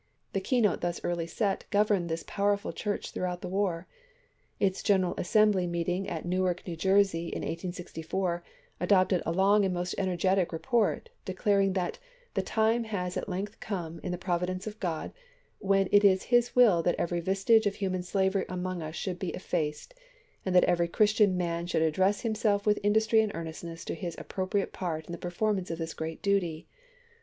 The keynote thus early set governed this powerful Church throughout the war. Its Gleneral Assembly, meeting at Newark, New Jersey, in 1864, adopted a long and most energetic report, declaring that " the time has at length come, in the providence of God, when it is his will that every vestige of human slavery among us should be effaced, and that every Christian man should address himself with industry and earnestness to his appropriate part in the performance of this great duty.